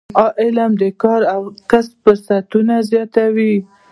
علم د کار او کسب فرصتونه زیاتوي.